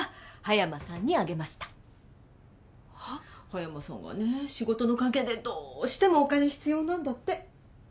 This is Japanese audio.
葉山さんがね仕事の関係でどしてもお金必要なんだって。